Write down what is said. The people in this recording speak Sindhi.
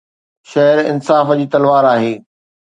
شهر انصاف جي تلوار آهي